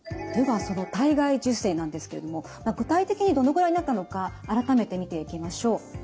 ではその体外受精なんですけれども具体的にどのぐらいになったのか改めて見ていきましょう。